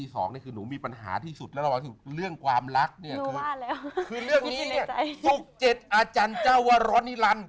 สุกเจ็ดอาจารย์เจ้าวรรณิรันทร์